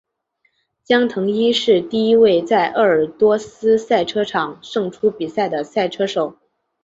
江腾一是第一位在鄂尔多斯赛车场胜出比赛的赛车手。